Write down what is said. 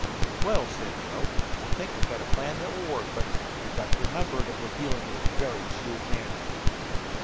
"Well," said Joe, "I think I've got a plan that will work; but we've got to remember that we are dealing with a very shrewd man."